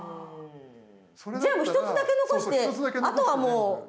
じゃあ１つだけ残してあとはもう。